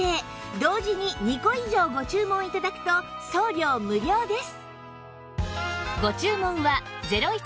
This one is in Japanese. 同時に２個以上ご注文頂くと送料無料です